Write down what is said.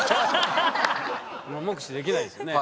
目視できないですよね。